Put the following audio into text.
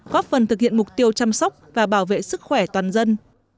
góp phần thực hiện mục tiêu chăm sóc và bảo vệ sức khỏe toàn dân